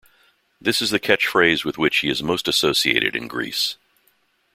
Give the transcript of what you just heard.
This is the catchphrase with which he is most associated in Greece.